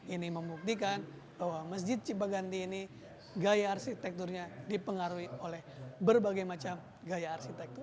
ini membuktikan bahwa masjid cipaganti ini gaya arsitekturnya dipengaruhi oleh berbagai macam gaya arsitektur